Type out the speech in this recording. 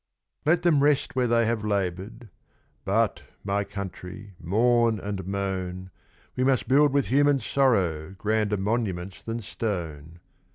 Let them rest where they have laboured! but, my country, mourn and moan; We must build with human sorrow grander monuments than stone.